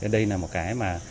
đây là một cái mà